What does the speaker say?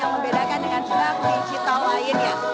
yang membedakan dengan semua digital lainnya